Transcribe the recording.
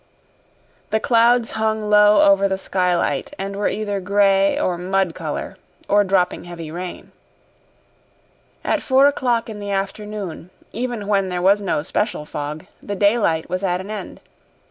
The clouds hung low over the skylight and were either gray or mud color, or dropping heavy rain. At four o'clock in the afternoon, even when there was no special fog, the daylight was at an end.